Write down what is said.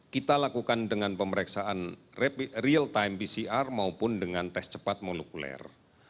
kita lakukan dengan pemeriksaan real time pcr maupun dengan tes cepat molekuler